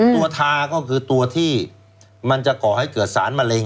ทาก็คือตัวที่มันจะก่อให้เกิดสารมะเร็ง